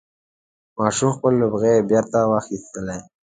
ماشوم خپل لوبعې بېرته واخیستلې.